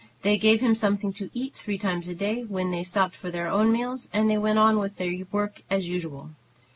They gave him something to eat three times a day when they stopped for their own meals, and then went on with their work as usual.